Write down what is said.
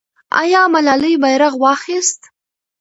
آیا ملالۍ بیرغ واخیست؟